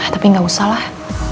tapi gak usahlah